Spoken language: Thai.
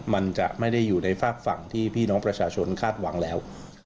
มันจะไม่ได้อยู่ในฝากฝั่งที่พี่น้องประชาชนคาดหวังแล้ว